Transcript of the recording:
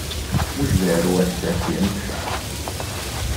Mhux veru għidt hekk jien.